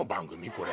これ。